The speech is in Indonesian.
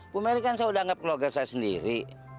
bu meri kan saya udah anggap keluarga saya sendiri